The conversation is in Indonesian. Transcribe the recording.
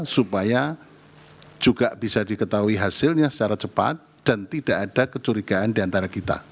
supaya juga bisa diketahui hasilnya secara cepat dan tidak ada kecurigaan diantara kita